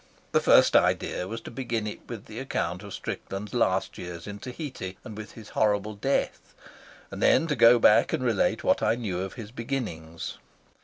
My first idea was to begin it with the account of Strickland's last years in Tahiti and with his horrible death, and then to go back and relate what I knew of his beginnings.